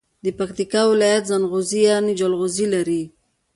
د پکیتکا ولایت زنغوزي یعنی جلغوزي لري.